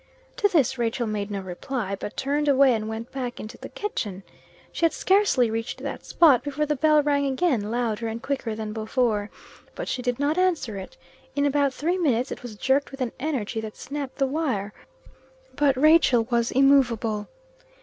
To this Rachel made no reply, but turned away and went back into the kitchen. She had scarcely reached that spot, before the bell rang again, louder and quicker than before; but she did not answer it. In about three minutes it was jerked with an energy that snapped the wire, but Rachel was immovable.